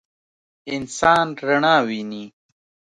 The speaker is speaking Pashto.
انسان رڼا ویني.